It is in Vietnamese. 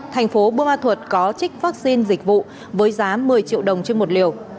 thành phố bô ma thuật có trích vaccine dịch vụ với giá một mươi triệu đồng trên một liều